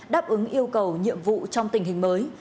đáp ứng yêu cầu nhiệm vụ trong tình hình mới